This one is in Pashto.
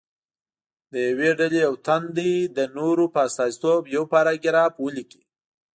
د یوې ډلې یو تن دې د نورو په استازیتوب یو پاراګراف ولیکي.